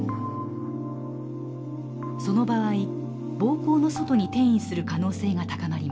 その場合膀胱の外に転移する可能性が高まります。